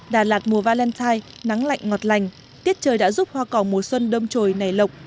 đà lạt mùa valentine nắng lạnh ngọt lành tiết trời đã giúp hoa cỏ mùa xuân đông trồi nảy lọc